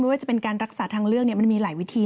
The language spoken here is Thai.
ว่าจะเป็นการรักษาทางเลือกมันมีหลายวิธี